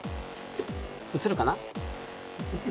映るかな？